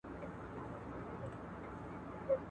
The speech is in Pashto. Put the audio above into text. نقاشۍ څه مانا لري؟